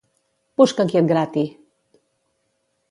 Busca qui et grati!